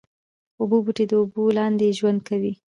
اوبو بوټي د اوبو لاندې ژوند کوي